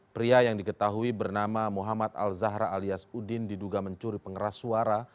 pria yang diketahui bernama muhammad al zahra alias udin diduga mencuri pengeras suara